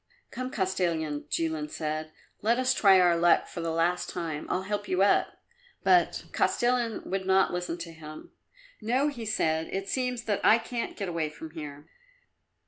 "Come, Kostilin," Jilin said; "let us try our luck for the last time; I'll help you up." But Kostilin would not listen to him. "No," he said; "it seems that I can't get away from here.